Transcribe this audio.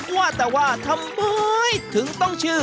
ว่าแต่ว่าทำไมถึงต้องชื่อ